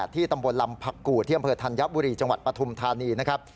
ที่ตำบลลำผักกู่ที่อำเภอธัญบุรีจังหวัดปฐุมธานีนะครับ